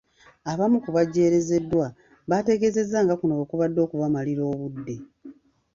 Abamu ku bejjerezeddwa bategeezezza nga kuno bwe kubadde okubamalira obudde.